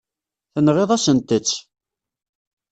Tenɣiḍ-asent-tt.